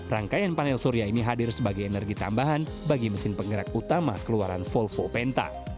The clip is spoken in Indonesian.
rangkaian panel surya ini hadir sebagai energi tambahan bagi mesin penggerak utama keluaran folvo penta